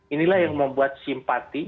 inilah yang membuat simpati